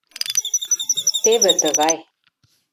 Теве тыгай.